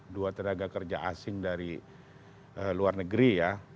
dua tenaga kerja asing dari luar negeri ya